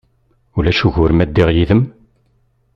Ulac ugur ma ddiɣ yid-m?